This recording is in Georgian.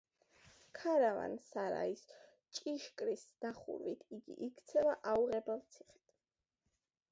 ქარავან-სარაის ჭიშკრის დახურვით იგი იქცევა აუღებელ ციხედ.